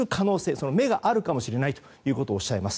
その芽があるかもしれないとおっしゃいます。